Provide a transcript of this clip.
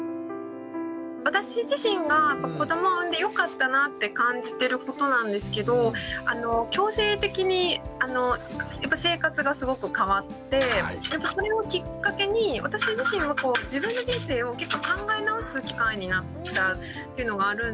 私自身が子どもを産んでよかったなって感じてることなんですけど強制的に生活がすごく変わってそれをきっかけに私自身は自分の人生を考え直す機会になったっていうのがあるんですね。